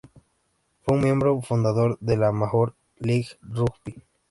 Fue un miembro fundador de la Major League Rugby.